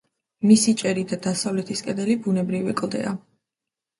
მისი ჭერი და დასავლეთის კედელი ბუნებრივი კლდეა.